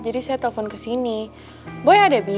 jadi saya telfon ke sini boy ada bi